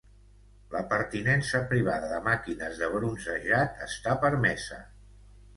La pertinença privada de màquines de bronzejat està permesa.